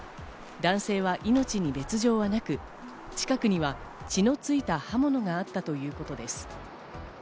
男性は命に別条はなく、近くには血のついた刃物があったということです。